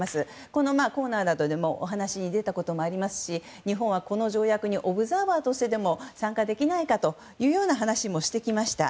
このコーナーなどでもお話に出たこともありますし日本はこの条約にオブザーバーとしてでも参加できないかという話もしました。